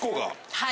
はい。